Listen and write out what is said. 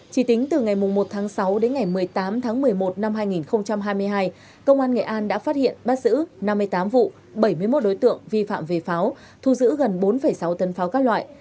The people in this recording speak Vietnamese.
chỉ tính từ ngày một tháng sáu đến ngày một mươi tám tháng một mươi một năm hai nghìn hai mươi hai công an nghệ an đã phát hiện bắt giữ năm mươi tám vụ bảy mươi một đối tượng vi phạm về pháo thu giữ gần bốn sáu tấn pháo các loại